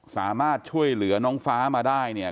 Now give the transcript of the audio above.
สามารถช่วยเหลือน้องฟ้ามาได้เนี่ย